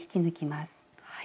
はい。